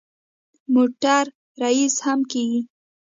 موټر ریس هم کېږي.